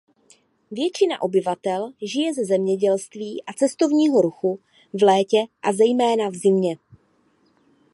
Většina obyvatel žije ze zemědělství a cestovního ruchu v létě a zejména v zimě.